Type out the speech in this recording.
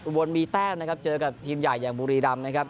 บนมีแต้มนะครับเจอกับทีมใหญ่อย่างบุรีรำนะครับ